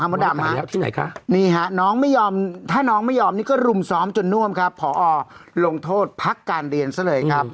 ซึ่งตอนสมัยรุ่นเล่าเด็ก